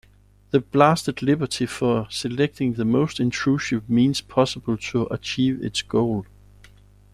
The blasted Liberty for selecting the most intrusive means possible to achieve its goal.